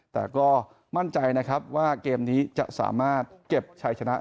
แต่ก็มั่นใจนะครับว่าเกมนี้จะสามารถเก็บชัยชนะ